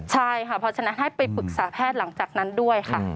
ใช่ค่ะเพราะฉะนั้นให้ไปปรึกษาแพทย์หลังจากนั้นด้วยค่ะ